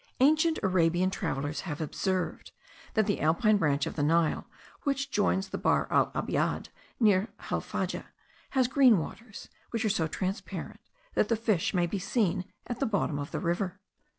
Ancient Arabian travellers have observed, that the Alpine branch of the Nile, which joins the Bahr el Abiad near Halfaja, has green waters, which are so transparent, that the fish may be seen at the bottom of the river.